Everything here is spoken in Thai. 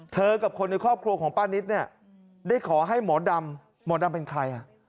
กับคนในครอบครัวของป้านิตเนี่ยได้ขอให้หมอดำหมอดำเป็นใคร